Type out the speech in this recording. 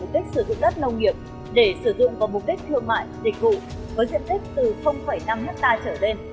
để sử dụng vào mục đích thương mại định vụ với diện tích từ năm hectare trở lên